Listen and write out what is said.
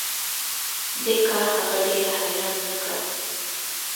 دې کار هغه ډیره حیرانه نه کړه